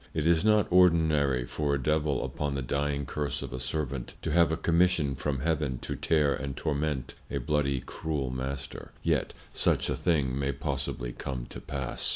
It is not ordinary for a Devil upon the dying Curse of a Servant, to have a Commission from Heaven to tear and torment a bloody cruel Master; yet such a thing may possibly come to pass.